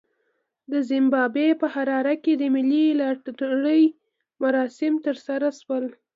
د زیمبابوې په حراره کې د ملي لاټرۍ مراسم ترسره شول.